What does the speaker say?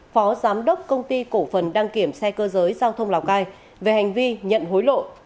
phó giám đốc công ty cổ phần đăng kiểm xe cơ giới giao thông lào cai về hành vi nhận hối lộ